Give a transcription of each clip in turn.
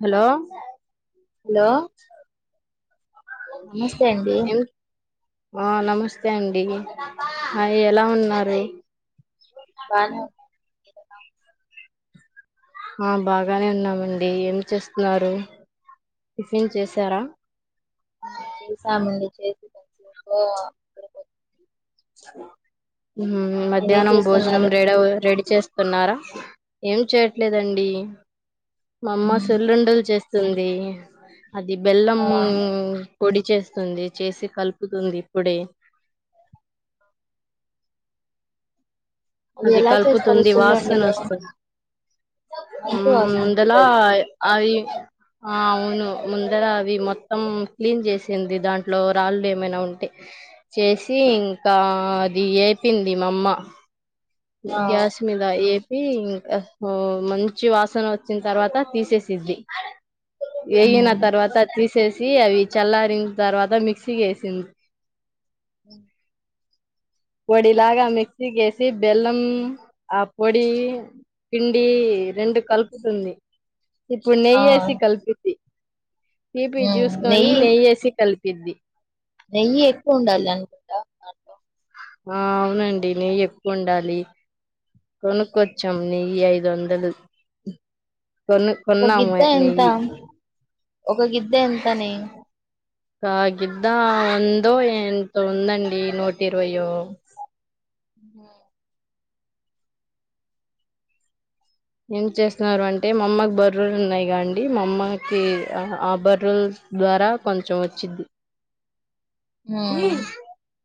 Hello hello నమస్తే అండి అ నమస్తే అండి అ ఎలా ఉన్నారు బన్వ్ ఎమ్ తిన్నావ్ ఆ బాగానే ఉన్నామండి ఏమి చేస్తున్నారు టిఫిన్ చేసారా ఆ చేసామండి స హామ్ మీరేం మధ్యాహ్నం భోజనం చేస్తున్నారు రెడి అవ్వ రెడి చేస్తున్నారా ఏం చేయట్లేదండి మా అమ్మ మ్మ్ సున్నుండలు చేస్తు సుంది అది బెల్లం ఆ ము పొడి చేస్తుంది చేసి కలుపుతుంది ఇప్పుడే అవి అది ఎలా చేస్తారు కలుపుతుంది వాసన సున్నుండలు వస్తుంది మంచి ఉమ్ వాసన వచ్చేది ముందులా అది అవి ఆ అవును ముందర అవి మొత్తం క్లీన్ చేసింది దాంట్లో రాళ్ళు ఏమైనా ఉంటే చేసి ఇంకా అది వేపింది మామ్మ ఆ గ్యాస్ మీద ఏపి ఇంకా మంచి వాసన వచ్చిన తర్వాత తీసేసిద్ది ఏయిిన మ్మ్ తర్వాత తీసి చేసి అవి చల్లారిన తర్వాత మిక్సీ వేసింది ఉ పొడి లాగా మిక్సీ కేసి బెల్లం ఆ పొడి పిండి రెండు కలుపుతుంది ఇప్పుడు ఆ నెయ్యేసి కలిపిద్ది తీపి మ్మ్ చూసుకొని నెయ్యి నెయ్యేసి కలిపి పెద్ది నెయ్యి ఎక్కువ ఉండాల అట ఆ అవునండి నెయ్యి ఎక్కువ ఉండాలి కొనుక్కచ్చాం నెయ్యి ఐదు వందలు కొను ఒక కొన్నాము గిద్ద ఎంత నెయ్యి ఒక గిద్ద ఎంత నెయ్యి కాగిద్ద ఉందో ఎంత ఉందండి నూటి ఇరవయో హ ఏం చేస్తున్నారు అంటే మా అమ్మకి బర్రులు ఉన్నాయి కాండి మా అమ్మకి ఆ బర్రూలు ద్వారా కొంచెం వచ్చిది హ్మ్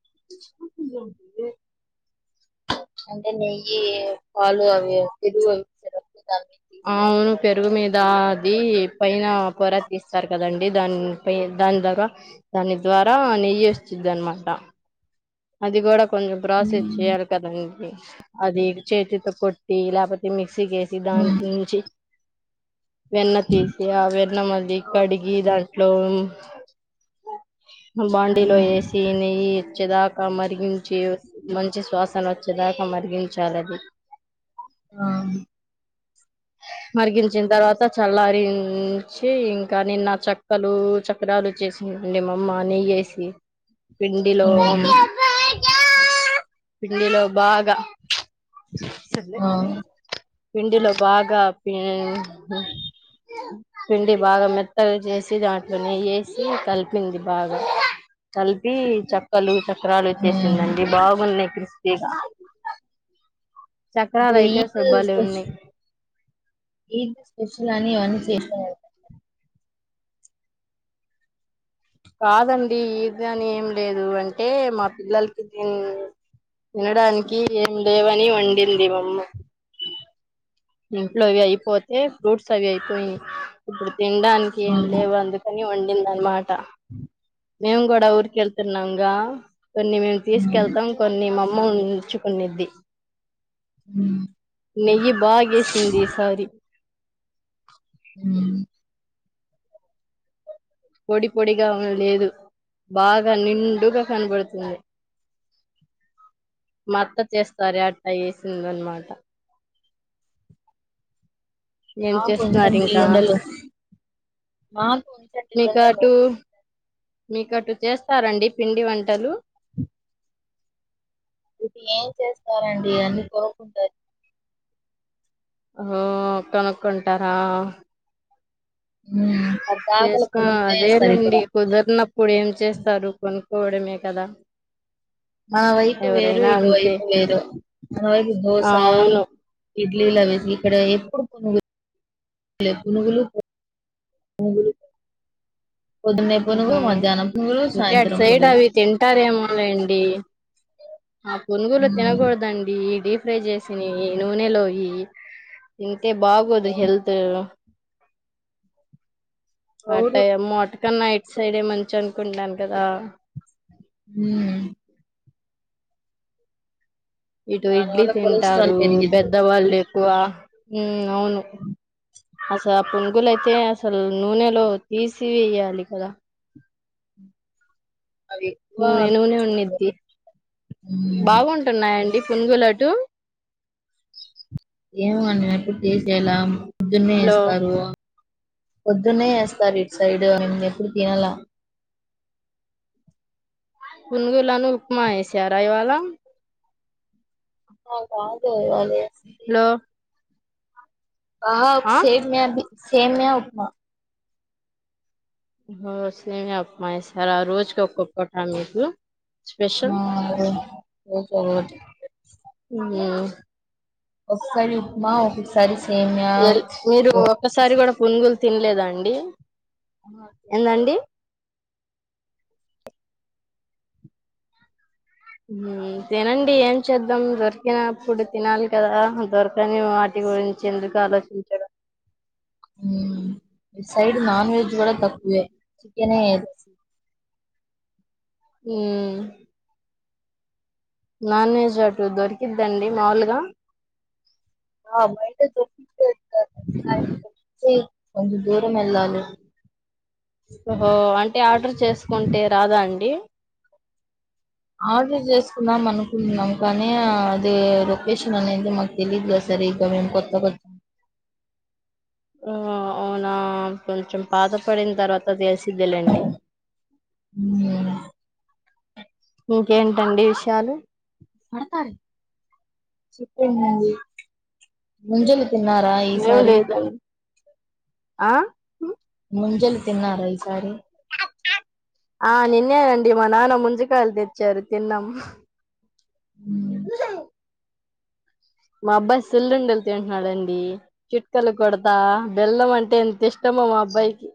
[unintelligible] ఈ పాలు అవి పెరుగు కలుపుకొని అవును పెరుగు మీద దా అది పైన పొర తీస్తారు కదండి దాని ప దాని ద్వార దాని ద్వారా నెయ్యి వస్తుంది అనమాట అదిగూడ కొంచెం ప్రాసెస్ మ్మ్ చేయాలి కదం అది చేతితో కొట్టి లేపోతే మిక్ సగేసి మ్మ్ దాట్ నుంచి వెన్న తీసి ఆ వెన్న మళ్ళీ కడిగి దాం హలో బాండీలో వేసి నెయ్యి చదా కా మరిగించి మంచి శ్వాసన వచ్చేదాకా మరిగించాలిది ఆ మరిగించిన తర్వాత చల్లారంచి ఇంకా నిన్న చక్కలు చక్రాలు చేసిండి మామ్మ నెయ్యి వేసి పిండిలో మ్మ్ పిండిలో బాగా సల్ ఆ పిండిలో బాగా పిండి బాగా మెత్తగా చేసి దాంట్లో నెయ్యి వేసి కలిపింది బాగా కలిపి చక్కలు చక్రాలు హ్మ్ వచ్చేసిందండి బాగున్నాయి క తె ఇప్పుడు ఈద్ ఉన్నాయి స్పెషల్ ఈద్ స్పెషల్ అని అని చేసినారని కాదండి ఈద్ అని ఏం లేదు అంటే మా పిల్లలకి దీని తనడానికి ఏం లేవని వండింది మమ్మ ఇంట్లో అవి అయిపోతే ఫ్రూట్స్ అవి అయిపోయి ఇప్పుడు తినడానికి ఏం లేవు అందుకని వం నిన్న ఈ మాట హ మేం కూడా ఊర్కెళ్తున్నాంగా కొన్ని మేము తీసుకెళ్తాం కొన్ని మమ్ మ ఉంచుకునిద్ది హ్మ్ నెయ్యి బాగేసిందీసారీ చిన్ హ్మ్ పొడి పొడిగా ఉ లేదు. బాగా నిండుగా కనబడుతుంది. మా అత్త చేస్తారే అట్టా చేసిందన్నమాట. ఏం మాకు చేస్తున్నారు ఉంచండి ఇంకా లుండలు. మాకు ఉంచండి వుండదు. మీకటు చేస్తారా అండి పిండి వంటలు ఇటు ఏం చేస్తారండి అన్ని కొనుక్కుంటారు. ఓ కనుక్కుంటారా హ్మ్ పద్దాకల చేసుకో కొనుకులే ఏస్తారు ఇక్కడ అదేనండి కుదరనప్పుడు ఏం చేస్తారు కొనుక్కోవడమే కదా నా వైపు వేరు ఎవరైనా ఇటు అంతే వైపు వేరు మన వైపు ఆ, దోశా అవును ఇడ్లీలా వేసి ఇక్కడ ఎప్పుడు పునుగులే పునుగులు పునుగులు పొద్దున్నే పునుగు హ్మ్మ్ మధ్యాహ్నం అంటే అటు సాయంత్రం సైడ్ పునుగులు అవి తింటారేమో హాయ్ అండి ఆ పునుగులు హ్మ్ తినగూడదండి ఇది ఫ్రై చేసినియి నూనెలోయి తి తింటే బాగోదు హెల్త్ క్రౌడ్ అట్టా ఏమో అటు కన్న ఇటు సైడే మంచి అనుకుంటాను కదా హ్మ్ ఇటు దాని ఇడ్లీ వల్ల కొలెస్ట్రాల్ తింటారు పెరిగిద్ది. పెద్దవాళ్ళు కువా అవును అసలు ఆ పునుగులు అయితే అసలు నూనెలో తీసి వేయ్యాలి కదా అవి ఎక్కువ నిల్వ నే పీల్చుకుంటారు. ఉన్నిద్ది హ్మ్ బాగుంటున్నాయండి పున్గులటు ఏమో అండి నేను ఎప్పుడు టేస్ట్ చెయ్యలా పొద్దున్నే లో ఇస్తారు పొద్దున్నే వేస్తార్ ఇట్ సైడ్ ఇ ఎప్పుడు తినల పునుగులను ఉప్మా వే సారా ఇవాళ అ అదే అ అ హలో బ సేమ్యా అభ సేమ్యా ఉప్మా ఒహోసేమియా ఉప్మా ఎశారా ఆ రోజుకి ఒక్కక్కటా మీకు స్పెషల్ ఆ అదే ఓకే ఒకే ఆ ఒక సారి ఉప్మా ఒకసారి మీరు ఒక్కసారి కూడా పునుగులు తినలేదండి అ తినండి ఏం చేద్దాం దొరికినప్పుడు తినాలి కదా దొరకని వాటి గురించి ఎందుకు ఆలోచించడం ఈ సైడ్ నాన్ వెజ్ కూడా తక్కువే చికెనే ఎయిర్ అసల ఆ నాన్ వెజ్ అటు దొరికిద్దండి మాములుగా ఆమైండ్ దోప్ దే స కొంచం దూరం ఎల్లాలి హో అంటే ఆర్డర్ చేసుకుంటే రాదా అండి ఆర్డర్ చేసుకుందం అనుకుంటున్నాం కానీ అది లొకేషన్ అనేది మాకు తెలీదుా సరిగ మేము కొత్త కొత్త అవునా కొంచెం పాతపడిన తర్వాత తెలిసి ద్ వెళ్ళండి ఉమ్ ఇంకేంటండి విషయాలు పడత చేప్పేయ యండి ముంజలు తిన్నారా ఏం ఈసారి లేదండి ఆ ముంజలు తిన్నార ఈసారి ఆ నిన్నేనండి మా నాన్న ముంజకయలు తెచ్చారు తిన్నాం ఉ మా అబ్బాయి సుల్ లుండలు తింటున్నాడుండి చిట్కలు కొడతా బెల్లం అంటే ఎంత ఇష్టమో మా అబ్బాయికి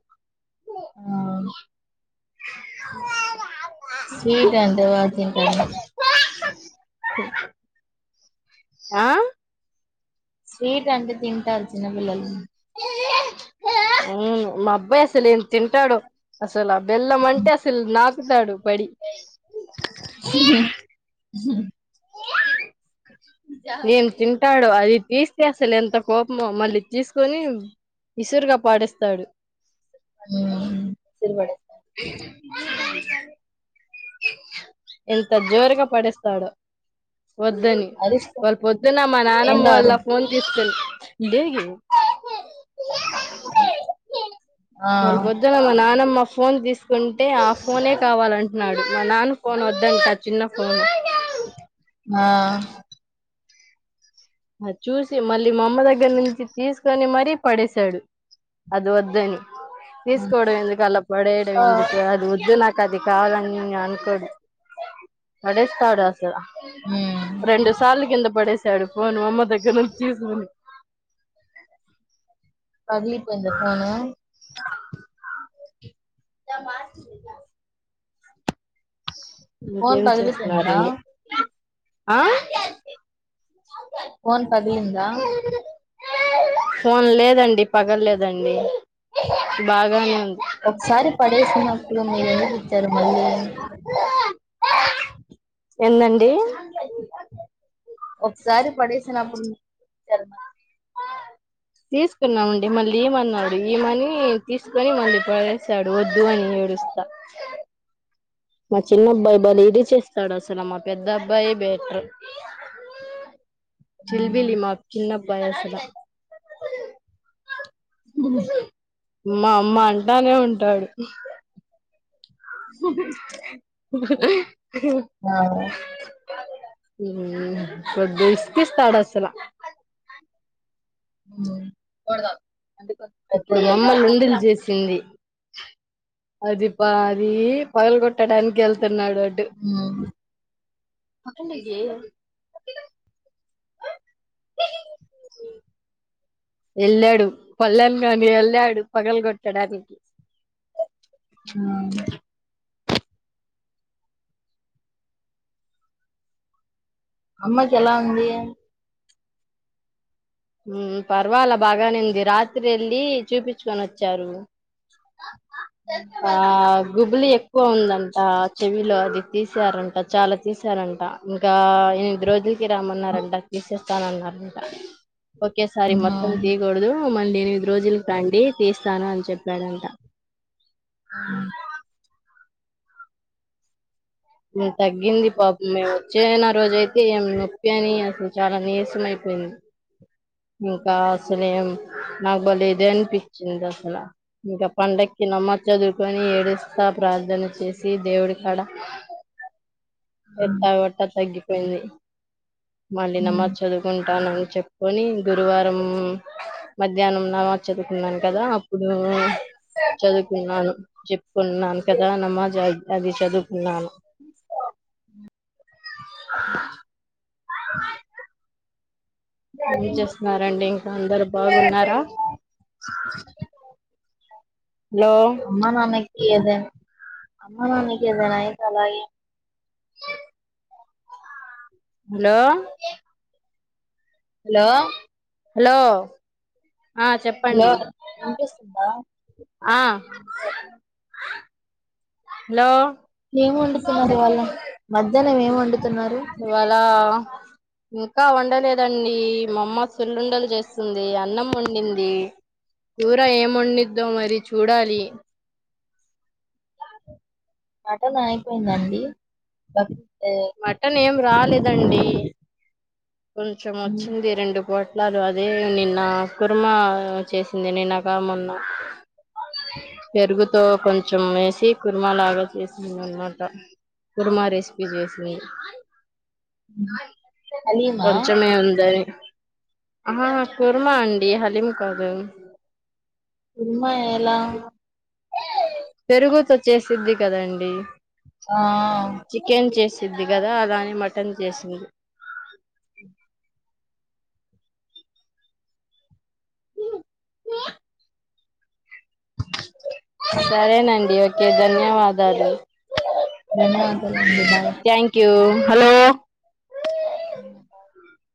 ఆ స్వీట్ అంటే బాగ తింటాడా ఆ స్వీట్ అంటే తింటారు చిన్నపిల్లలు అ మా అబ్బాయి అసలు ఏం తింటాడో అసల బెల్లం మంటే అస ల్ నాక్ కుతాడు పడి [inaudible] ఏంతింటాడొ అది తీస్తే అసలు ఎంత కోపమో మళ్ళీ తీసుకొని విసురుగా పాడేస్తాడు హ్మ్ [inaudible] ఎంత జోరుగా పడెస్తాడొ వద్దని అరుస్తా వాళ్ళు పొద్దున్న మా నానమ్మ ఏంటి వాళ్ళ అరు ఫోన్ తీసుకొని లేేగి ఆ ఇవాళ పొద్దున మా నానమ్మ ఫోన్ తీస్ కొంటె ఆ ఫోనే కావాలంటే టాడు మా నాన్ ఫోన్ వద్దంట చిన్న ఫోన్ ఆ అది చూసి మళ్ళీ మామ్మ దగ్గర నుంచి తీసుకొని మరీ పడేసాడు అది వద్దని ఆ తీసుకోడం ఎందుకు అలా పడేడం ఆ! ఎందుకు అది ఒద్దు నాకు అది కావాలని నేను అనుకోడు పడేస్తాడు అస హ్మ్ రెండు సార్లుకింద పడే చడు పోను అమ్మ దగ్గర నుంచి తీసుకుని పగిలిపోయింద ఫోను త మర్చి గా ఫోన్ ఇంకేం పగిలిపోయిందా చేస్తున్నారండి ఆ ఫోన్ పగిలిందా ఫోన్ లేదండి పగల్లేదండి బాగానే ఉన్ ఒకసారి పడేస్నపుడు మీరెందుకు ఇచ్చారు మళ్లీ ఎందండీ ఒకసారి పడేసినపుడు తీసుకున్నామండి మళ్ళీ ఈమన్నాడు ఈ మని తీసుకొని మళ్ళీ పడేసాడు వద్దు అని ఏడుస్తా మా చిన్నబ్బాయి బలె ఇదిచెస్ సడసులమా పెద్ద అబ్బాయి బెటర్ మళ్ళీ చిల్బిలి మా చిన్న ఉబయస ఉ మా అమ్మ అంటానే ఉంటాడు [unintelligible] ఉహ్ హు ఆ బడ్ ఇస్కిస్తాడసలా ఉ ఇప్పుడు మమ్మల్ని ఎందులు అంతే చేసింది అదిీబా అదిీ పగలు కొట్ట టనికికిెళ్త తర్నాడుడు హ్మ్ ఒకకడిగి వెళ్ళాడు పళణ గానీ వెళ్ళాడు పగలుగొట్టడానికి అ అమ్మకు ఎలా ఉంది మ్మ్ పర్వాలా బాగానే ఉంది రాత్రి వెళ్ళి చూపించుకొని వచ్చారు ఆ గుబ్బులు ఎక్కువ ఉందంట చెవిలో అది తీసారంట చాలా తీసారంట ఇంకా ఎనిమిది రోజుల్ కి రామ్మన్నారంట కిసో తనంనారంట ఓకే సారి ఆహా మత్తం తిగొడదు మంచి ఎనిమిది రోజులకు రండి తీస్తాను అని చెప్పాడంట ఆ తగ్గింది పాప మే వచ్చే నా రోజ అయితే ఏం నొప్పి అని అసలు చాలా నీరసం అయిపోయింది ఇంకా అసలే ఏం నాకుబలేదే అనిపించింది అసల ఇంకా పండగకి నమాజ్ చదువుకొని ఏడస్తా ప్రార్థన చేసి దేవుడి కాడ హ్మ్ ఎట్ట వట్టా తగ్గిపోయింది మళ్లీ హ్మ్ నమాజ్ చదువుకుంటానని చెప్ పోని గురువారం మధ్యాహ్నం నామజ్ చదువుకున్నాను కదా ఇప్పుడు చదువుకున్నాను చెప్పుకున్నాను కదా నమాజ్ అయితది చదు నాన్ ఏ చేస్తున్నారండి ఇంకా అందరు బాగున్నారా హలో అమ్మా నాన్నక్ ఏదైనా అమ్మ నాన్నకి ఏదైనా అయితే అలాగే హలో హలో హలో ఆ హలో చెప్పండి వినిపిస్తుందా ఆ హలో ఏం వండుతున్నారు ఇవాళ మధ్యాహ్నం ఏం వండు ఇవాళ ఇంకా వండలేదండి మామ్మ సుల్లుండలు చేస్తుంది అన్నం వండింది కూర ఏం వండిద్దో మరి చూడాలి అ నాయిపోయిందండి అ [inaudible] మటన్ ఏమ్. రాలేదండి. కొంచెం వచ్చింది రెండు కోట్. తను అదే నిన్న కుర్మా చేసింది నిన్నగా మొన్న పెరుగుతో కొంచెం వేసి కుర్మా లాగా చేసింది అనమాట కుర్మా రెసిపీ చేసింది. అని. కొంచమే ఉందని. ఆ కుర్మా అండి హలీం కాదు. కుర్మా ఎలా? పెరుగుతో చేసిద్ది కదండి. ఆ ఆ అవుద్ది కదా అలానె మటన్ చేసింది. [inaudible] సరేనండి ఒకే ధన్యవాదాలు. ధన్యవాదాలు అండి బాయ్. థ్యాంక్ యూ హలో.. హ [inaudible] [inaudible]